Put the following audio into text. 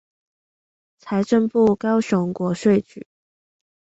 財政部高雄國稅局